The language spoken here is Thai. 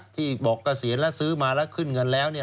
ที่บอกเกษียณแล้วซื้อมาแล้วขึ้นเงินแล้ว